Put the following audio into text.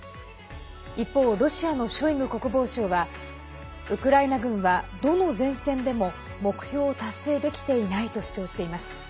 一方、ロシアのショイグ国防相はウクライナ軍は、どの前線でも目標を達成できていないと主張しています。